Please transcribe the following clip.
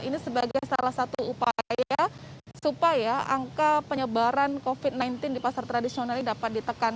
ini sebagai salah satu upaya supaya angka penyebaran covid sembilan belas di pasar tradisional ini dapat ditekan